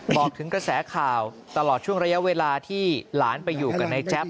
บอกถึงกระแสข่าวตลอดช่วงระยะเวลาที่หลานไปอยู่กับนายแจ๊บ